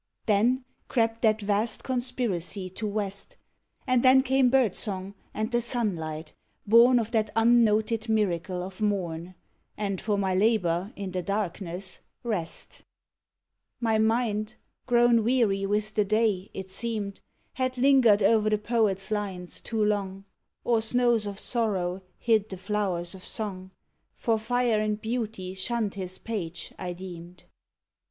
Then crept that vast conspiracy to West; And then came bird song and the sunlight, born Of that unnoted miracle of morn, And for my labor in the darkness, rest My mind, grown weary with the day it seemed Had lingered o'er the poet's lines too long; Or snows of sorrow hid the flowers of song; For fire and beauty shunned his page, I deemed. 130 DARKNESS.